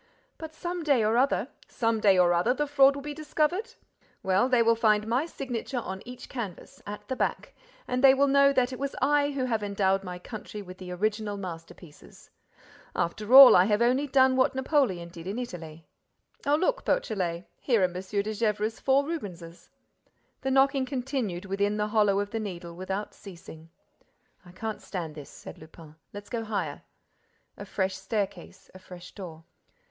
"But some day or other—" "Some day or other, the fraud will be discovered? Well, they will find my signature on each canvas—at the back—and they will know that it was I who have endowed my country with the original masterpieces. After all, I have only done what Napoleon did in Italy.—Oh, look, Beautrelet: here are M. de Gesvres's four Rubenses!—" The knocking continued within the hollow of the Needle without ceasing. "I can't stand this!" said Lupin. "Let's go higher." A fresh staircase. A fresh door.